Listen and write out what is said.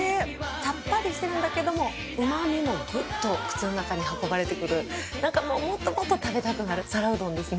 さっぱりしてるんだけどもうまみもぐっと口の中に運ばれてくるなんかもうもっともっと食べたくなる皿うどんですね。